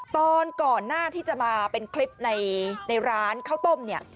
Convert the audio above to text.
ก่อนหน้าที่จะมาเป็นคลิปในร้านข้าวต้มเนี่ย